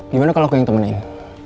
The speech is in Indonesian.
gimana kalau aku yang temenin